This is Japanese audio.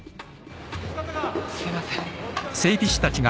すいません。